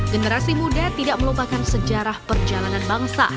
generasi muda tidak melupakan sejarah perjalanan bangsa